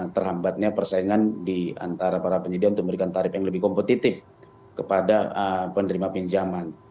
terhambatnya persaingan di antara para penyedia untuk memberikan tarif yang lebih kompetitif kepada penerima pinjaman